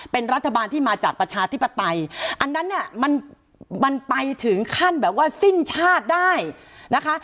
เป็นรัฐบาลที่มาจากประชาธิปไตยอันนั้นเนี่ยมันมันไปถึงขั้นแบบว่าสิ้นชาติได้นะคะ